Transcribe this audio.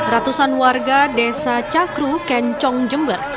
ratusan warga desa cakru kencong jember